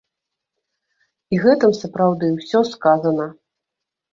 І гэтым сапраўды ўсё сказана.